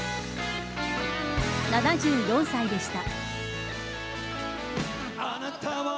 ７４歳でした。